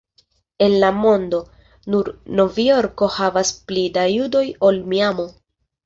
En la mondo, nur Novjorko havas pli da judoj ol Miamo.